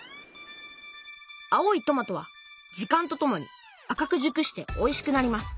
青いトマトは時間とともに赤くじゅくしておいしくなります。